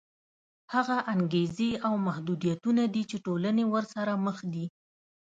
هغه انګېزې او محدودیتونه دي چې ټولنې ورسره مخ دي.